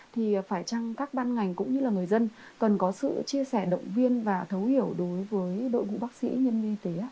thì phải chăng các ban ngành cũng như là người dân cần có sự chia sẻ động viên và thấu hiểu đối với đội ngũ bác sĩ nhân viên y tế ạ